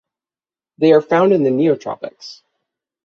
They are found in the Neotropics.